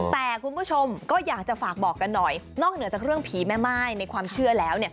แต่คุณผู้ชมก็อยากจะฝากบอกกันหน่อยนอกเหนือจากเรื่องผีแม่ม่ายในความเชื่อแล้ว